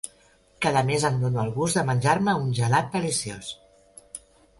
Cada mes em dono el gust de menjar-me un gelat deliciós.